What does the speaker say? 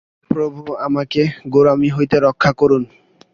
প্রভু আমাকে গোঁড়ামি হইতে রক্ষা করুন।